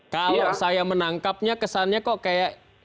kalau saya menangkapnya kesannya kok kayak